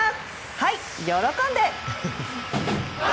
はい、喜んで！